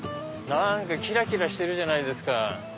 何かキラキラしてるじゃないですか。